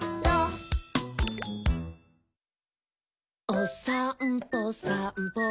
「おさんぽさんぽ」